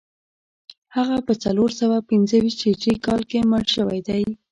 هغه په څلور سوه پنځه ویشت هجري کال کې مړ شوی دی